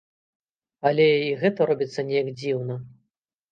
Але і гэта робіцца неяк дзіўна.